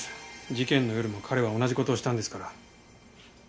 事件の夜も彼は同じ事をしたんですから。